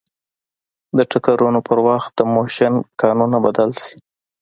د ټکرونو په وخت د موشن قانونونه بدل شي.